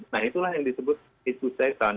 nah itulah yang disebut hizbul satan